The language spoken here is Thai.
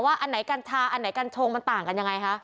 อันไหนกัญชาอันไหนกัญชงมันต่างกันยังไงคะ